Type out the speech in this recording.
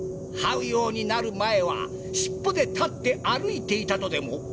はうようになる前は尻尾で立って歩いていたとでも？